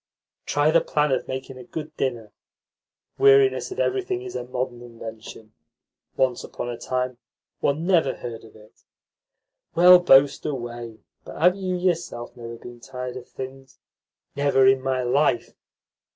Try the plan of making a good dinner. Weariness of everything is a modern invention. Once upon a time one never heard of it." "Well, boast away, but have you yourself never been tired of things?" "Never in my life.